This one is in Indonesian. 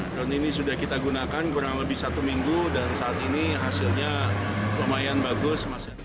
drone ini sudah kita gunakan kurang lebih satu minggu dan saat ini hasilnya lumayan bagus